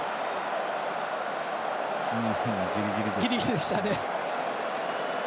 ギリギリでしたね。